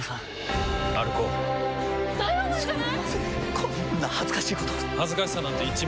こんな恥ずかしいこと恥ずかしさなんて１ミリもない。